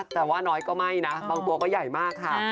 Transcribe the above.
แต่ว่าน้อยก็ไม่นะบางตัวก็ใหญ่มากค่ะ